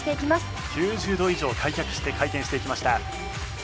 ９０度以上開脚して回転していきました。